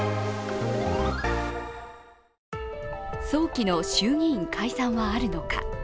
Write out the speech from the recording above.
早期の衆議院解散はあるのか。